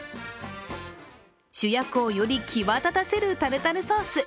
主役をより際立たせるタルタルソース。